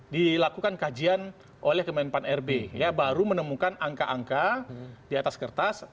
dilakukan kajian oleh kementerian pancasila bersama bahwa baru menemukan angka angka di atas kertas